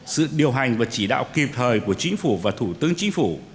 sự điều hành và chỉ đạo kịp thời của chính phủ và thủ tướng chính phủ